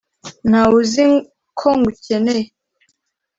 ntawe uzi ko ngukeneye.